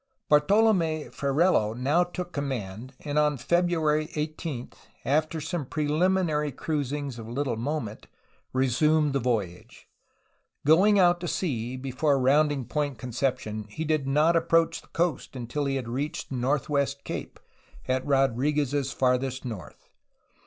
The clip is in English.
Bartolome Ferrelo now took command, and on February 18, after some preliminary cruisings of little moment, resumed the voyage. Going out to sea before rounding Point Conception, he did not approach the coast until he had reached Northwest Cape, at Rodriguez's farthest north.